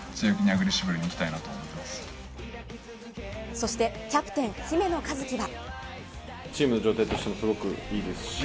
そしてキャプテン・姫野和樹は。